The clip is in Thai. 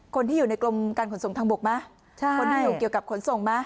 คนที่อยู่ในกรมการขนส่งทางบกไหมใช่คนที่อยู่เกี่ยวกับขนส่งไหม